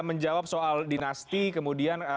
menjawab soal dinasti kemudian